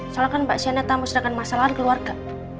soalnya kan mbak sienna tamu sedangkan masalah keluarga